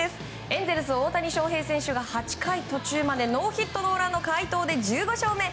エンゼルス、大谷翔平選手が８回途中までノーヒットノーランの快投で１５勝目。